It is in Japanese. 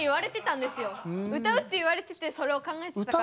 「歌う」って言われててそれを考えてたから。